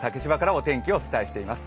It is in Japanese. お天気をお伝えしています。